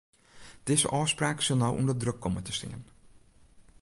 Dizze ôfspraak sil no ûnder druk komme te stean.